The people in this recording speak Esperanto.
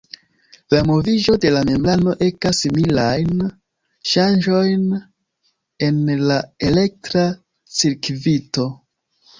La moviĝo de la membrano ekas similajn ŝanĝojn en la elektra cirkvito.